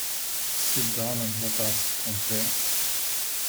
Sit down and let us confer.